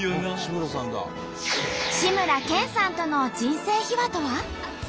志村けんさんとの人生秘話とは。